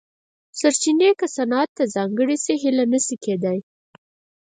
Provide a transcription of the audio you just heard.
سرچینې که صنعت ته ځانګړې شي هیلې نه شي کېدای.